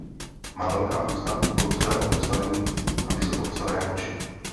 Má velká ústa koncového postavení a vysoko postavené oči.